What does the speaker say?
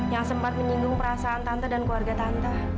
yang sempat menyinggung perasaan tante dan keluarga tante